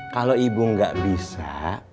kalau ibu nggak bisa